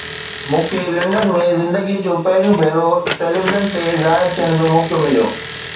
مون کي لنڊن ۾ زندگيءَ ۾ پهريون ڀيرو ٽيليويزن تي ظاهر ٿيڻ جو موقعو مليو.